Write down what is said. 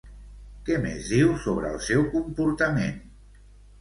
Què més diu sobre el seu comportament?